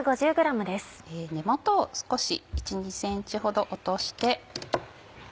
根元を少し１２ｃｍほど落として。